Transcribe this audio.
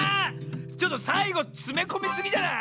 ちょっとさいごつめこみすぎじゃない？